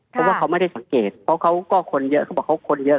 เพราะว่าเขาไม่ได้สังเกตเพราะเขาก็คนเยอะเขาบอกเขาคนเยอะ